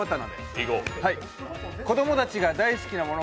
子どもたちが大好きなもの